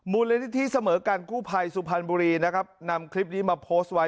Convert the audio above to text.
มูลนิธิเสมอกันกู้ภัยสุพรรณบุรีนะครับนำคลิปนี้มาโพสต์ไว้